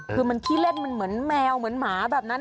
คือมันขี้เล่นมันเหมือนแมวเหมือนหมาแบบนั้น